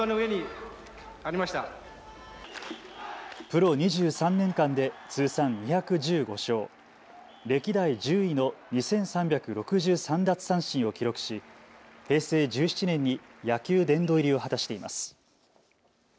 プロ２３年間で通算２１５勝、歴代１０位の２３６３奪三振を記録し平成１７年に野球殿堂入りを果たしています。